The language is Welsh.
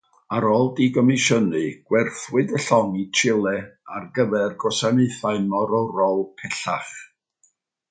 Ar ôl digomisiynu, gwerthwyd y llong i Chile ar gyfer gwasanaeth morwrol pellach.